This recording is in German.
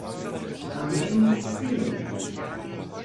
Rang ins Ziel.